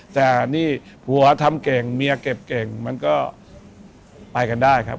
แต่นี่ผัวทำเก่งเมียเก็บเก่งมันก็ไปกันได้ครับ